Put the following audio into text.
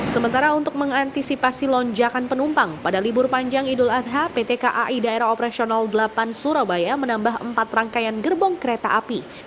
sementara untuk mengantisipasi lonjakan penumpang pada libur panjang idul adha pt kai daerah operasional delapan surabaya menambah empat rangkaian gerbong kereta api